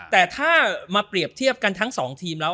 แต่ถ้ามาเปรียบเทียบกันทั้งสองทีมแล้ว